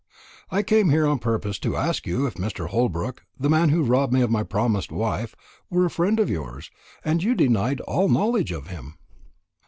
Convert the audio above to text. "I came here on purpose to ask you if Mr. Holbrook, the man who robbed me of my promised wife, were a friend of yours, and you denied all knowledge of him."